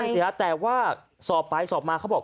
นั่นสิครับแต่ว่าสอบไปสอบมาเขาบอก